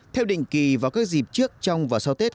theo định kỳ vào các dịp trước trong và sau tết